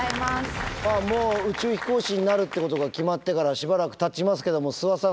もう宇宙飛行士になるっていうことが決まってからしばらくたちますけども諏訪さん